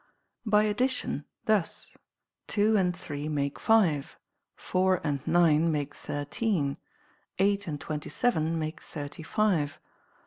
12. By addition thus: two and three make five, four and nine make thirteen, eight and twenty seven make thir ty five.